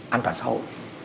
an toàn xã hội